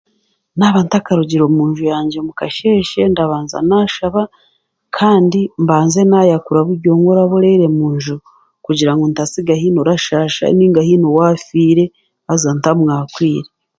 Naaba ntakurugire munju yangye mukasheeshe ndabanza naashaba kandi mbanze naayakura weena oriire omunju kugira ntasiga haine orashaasha nainga haine owaafaire haza ntamwakwire